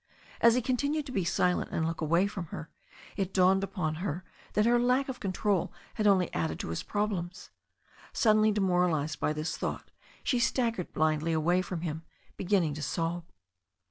As he continued to be silent and to look away from her, it dawned upon her that her lack of control had only added to his problems. Suddenly demoralized by this thought, she staggered blindly away from him, beginning to sob.